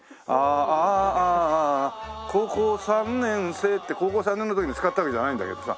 「ああ高校三年生」って高校３年の時に使ったわけじゃないんだけどさ。